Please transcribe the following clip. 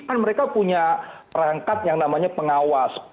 kan mereka punya perangkat yang namanya pengawas